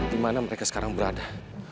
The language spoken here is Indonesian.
di mana mereka sekarang berada